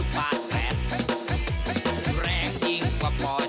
มาแล้ว